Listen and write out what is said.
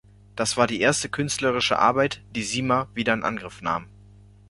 Das war die erste künstlerische Arbeit, die Sima wieder in Angriff nahm.